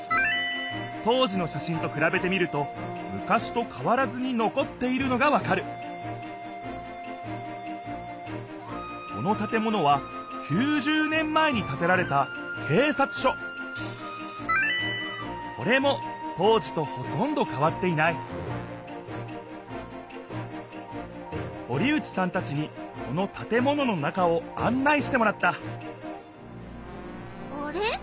当時のしゃしんとくらべてみると昔と変わらずに残っているのがわかるこの建物は９０年前に建てられたけいさつしょこれも当時とほとんど変わっていない堀内さんたちにこの建物の中をあん内してもらったあれ？